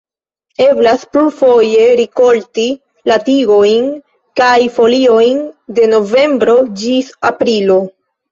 Eblas plurfoje rikolti la tigojn kaj foliojn de novembro ĝis aprilo.